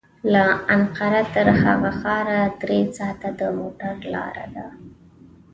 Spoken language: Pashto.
له انقره تر هغه ښاره درې ساعته د موټر لاره ده.